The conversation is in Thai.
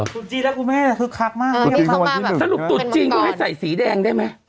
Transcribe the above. ตุดจีนแล้วคุณแม่คือคักมากเออนี่เข้ามาแบบสรุปตุดจีนก็ให้ใส่สีแดงได้ไหม